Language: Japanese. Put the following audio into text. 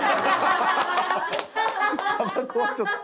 たばこはちょっと。